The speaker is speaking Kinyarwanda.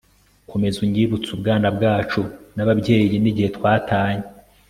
komeza unyibutse ubwana bwacu n' ababyeyi n' igihe twatanye